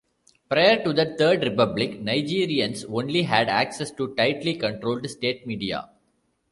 Prior to the Third Republic, Nigeriens only had access to tightly controlled state media.